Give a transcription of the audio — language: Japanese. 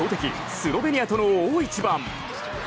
スロベニアとの大一番。